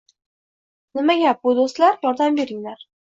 Nima gap bu, do’stlar? Yordam beringlar